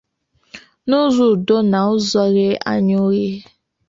n'ụzọ udo na n'ụzọ ghe anya oghe